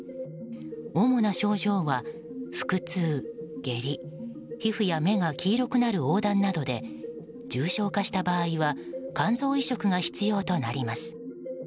主な症状は、腹痛、下痢皮膚や目が黄色くなる黄だんなどで重症化した場合は肝臓移植が必要となります。